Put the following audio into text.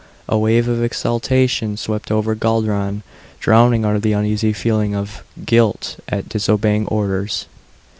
A wave of exultation swept over Guldran, drowning out the uneasy feeling of guilt at disobeying orders.